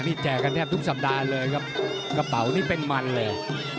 นี่แจกกันแทบทุกสัปดาห์เลยครับกระเป๋านี่เป็นมันเลย